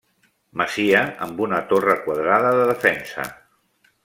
Masia amb una torre quadrada de defensa.